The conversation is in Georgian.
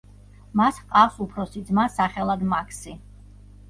მას ჰყავს უფროსი ძმა სახელად მაქსი.